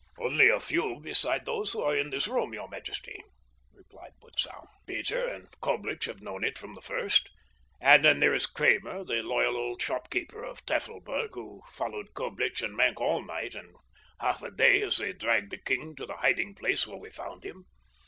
"Only a few besides those who are in this room, your majesty," replied Butzow. "Peter and Coblich have known it from the first, and then there is Kramer, the loyal old shopkeeper of Tafelberg, who followed Coblich and Maenck all night and half a day as they dragged the king to the hiding place where we found him.